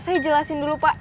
saya jelasin dulu pak